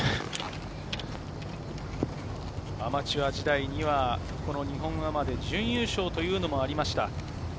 アマチュア時代には、日本アマで準優勝というのもありました。